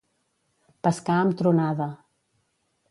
Pescar amb tronada.